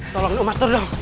tolong duk master dong